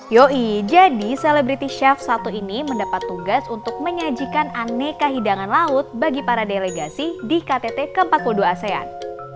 yoi jadi selebriti chef satu ini mendapat tugas untuk menyajikan aneka hidangan laut bagi para delegasi di ktt ke empat puluh dua asean